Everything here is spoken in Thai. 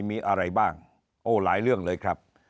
มีอะไรบ้างโอ้หลายเรื่องเลยครับ